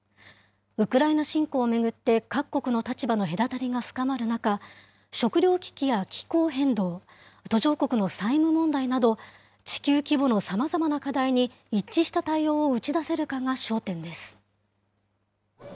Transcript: ウクライナ侵攻を巡って各国の立場の隔たりが深まる中、食料危機や気候変動、途上国の債務問題など、地球規模のさまざまな課題に一致した対応を打ち出せるかが焦点です。